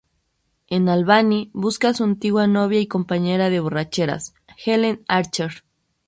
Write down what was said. En Albany busca a su antigua novia y compañera de borracheras, Helen Archer.